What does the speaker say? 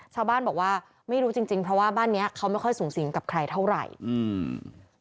ชาวบ้านบอกว่าไม่รู้จริงจริงเพราะว่าบ้านเนี้ยเขาไม่ค่อยสูงสิงกับใครเท่าไหร่อืม